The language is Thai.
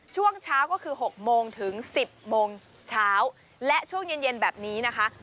ช่วงเช้าก็คือ๖โมงถึง๑๐โมงเช้าและช่วงเย็นเย็นแบบนี้นะคะ